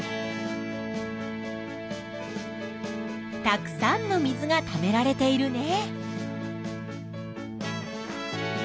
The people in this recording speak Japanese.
たくさんの水がためられているね。